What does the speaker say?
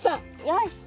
よし。